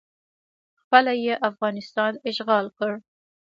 خپله یې افغانستان اشغال کړ